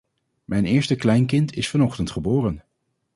Mijn eerste kleinkind is vanochtend geboren.